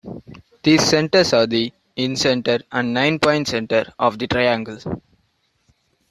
These centers are the incenter and nine-point center of the triangle.